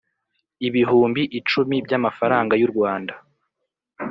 ibihumbi icumi by’amafaranga y’u rwanda